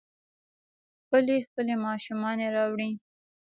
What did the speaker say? ښکلې ، ښکلې ماشومانې راوړي